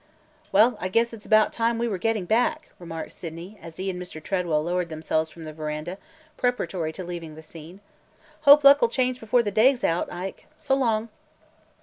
"Well, guess it 's about time we were getting back," remarked Sydney, as he and Mr. Tredwell lowered themselves from the veranda, preparatory to leaving the scene. "Hope luck 'll change before the day 's out, Ike! So long!"